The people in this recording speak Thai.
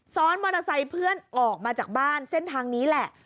ซ้อนมอเตอร์ไซค์เพื่อนออกมาจากบ้านเส้นทางนี้แหละ